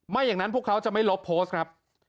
อย่างนั้นพวกเขาจะไม่ลบโพสต์ครับ